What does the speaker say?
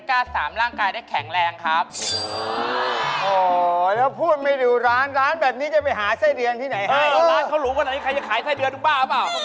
กรอเมฆเค้าหลูกว่าในนี้ใครจะขายไส้เร็วดูบ้าวต่อ